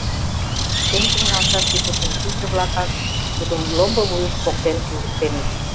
Шкенжын налшаш ӱдыржын пийже-влакак тудым ломбо вуйыш поктен кӱзыктеныт!